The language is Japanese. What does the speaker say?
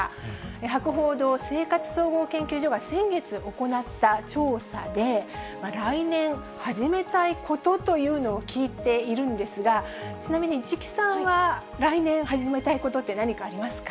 博報堂生活総合研究所が先月行った調査で、来年始めたいことというのを聞いているんですが、ちなみに市來さんは来年始めたいことって、何かありますか？